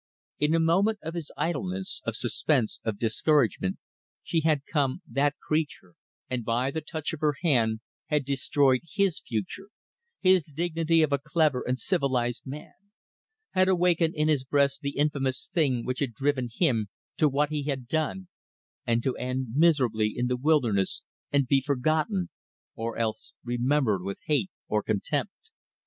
In a moment of his idleness, of suspense, of discouragement, she had come that creature and by the touch of her hand had destroyed his future, his dignity of a clever and civilized man; had awakened in his breast the infamous thing which had driven him to what he had done, and to end miserably in the wilderness and be forgotten, or else remembered with hate or contempt.